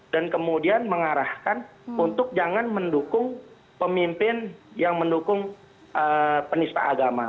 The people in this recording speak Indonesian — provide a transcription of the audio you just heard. dan kemudian mengarahkan untuk jangan mendukung pemimpin yang mendukung penista agama